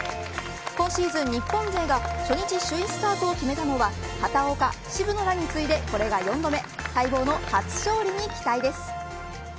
今シーズン、日本勢が初日首位スタートを決めたのは畑岡、渋野らに次いでこれが４度目。